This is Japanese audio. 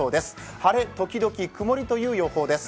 晴れときどき曇りという予報です。